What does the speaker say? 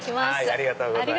ありがとうございます。